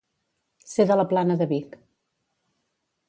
Ser de la Plana de Vic.